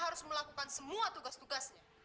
rini pergi dulu ya